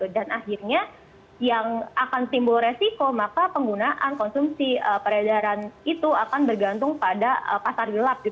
dan akhirnya yang akan simbol resiko maka penggunaan konsumsi peredaran itu akan bergantung pada pasar gelap